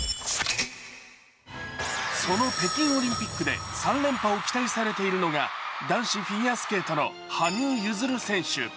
その北京オリンピックで３連覇を期待されているのが男子フィギュアスケートの羽生結弦選手。